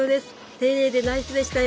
丁寧でナイスでしたよ！